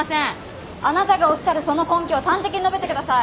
あなたがおっしゃるその根拠を端的に述べてください。